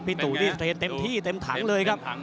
พี่ตุรีเตรนเต็มที่เต็มถังเลยครับ